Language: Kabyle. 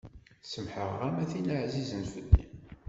Semmḥeɣ-am a tin ɛzizen fell-i.